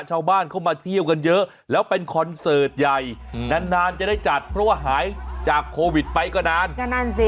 ชาวบ้านเข้ามาเที่ยวกันเยอะแล้วเป็นคอนเสิร์ตใหญ่นานนานจะได้จัดเพราะว่าหายจากโควิดไปก็นานก็นั่นสิ